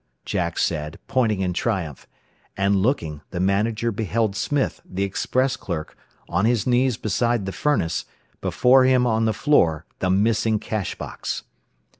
Jack said, pointing in triumph. And looking, the manager beheld Smith, the express clerk, on his knees beside the furnace, before him on the floor the missing cash box.